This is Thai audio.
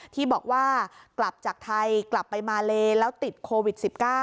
ที่บอกว่ากลับจากไทยกลับไปมาเลแล้วติดโควิด๑๙